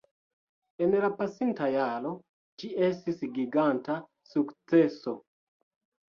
En la pasinta jaro, ĝi estis giganta sukceso